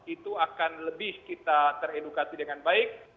itu akan lebih kita teredukasi dengan baik